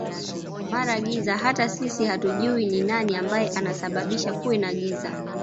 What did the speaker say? mara giza hata sisi hatujuwi ni nani ambaye ana sababisha kuwe na giza